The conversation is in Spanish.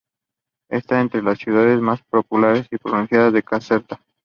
Está entre las ciudades más populosas en la provincia de Caserta.